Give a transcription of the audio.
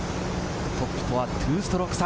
トップとは２ストローク差。